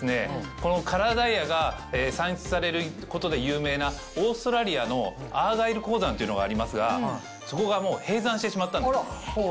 このカラーダイヤが産出されることで有名なオーストラリアのアーガイル鉱山というのがありますがそこが閉山してしまったんです。